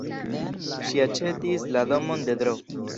Ŝi aĉetis la domon de Dro.